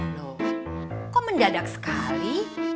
loh kok mendadak sekali